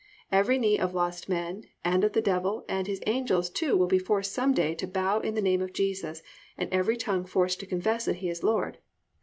Every knee of lost men and of the devil and his angels too will be forced some day to bow in the name of Jesus and every tongue forced to confess that He is Lord.